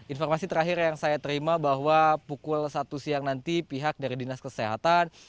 informasi terakhir yang saya terima bahwa pukul satu siang nanti pihak dari dinas kesehatan